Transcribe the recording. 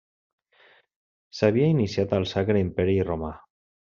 S'havia iniciat el Sacre Imperi romà.